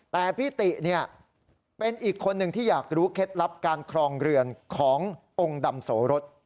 แต่พี่ติเป็นอีกคนหนึ่งที่อยากรู้เคล็ดลับการครองเรือนขององค์ดำโสรส